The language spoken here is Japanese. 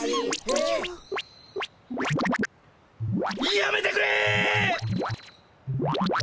やめてくれ！